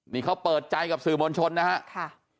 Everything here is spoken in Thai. นี่เขาเปิดใจกับสื่อมวลชนนะครับ